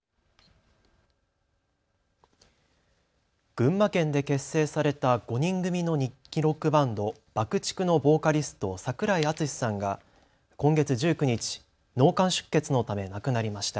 群馬県で結成された５人組の人気ロックバンド、ＢＵＣＫ−ＴＩＣＫのボーカリスト、櫻井敦司さんが今月１９日、脳幹出血のため亡くなりました。